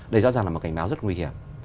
đây rõ ràng là một cảnh báo rất nguy hiểm